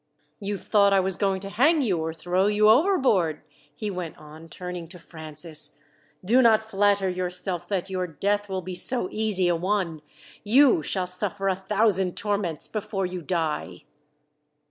"You thought I was going to hang you, or throw you overboard," he went on, turning to Francis. "Do not flatter yourself that your death will be so easy a one you shall suffer a thousand torments before you die!"